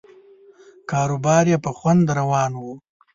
کاروبار یې په خوند روان و.